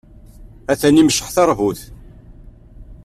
Atan imecceḥ tarbut.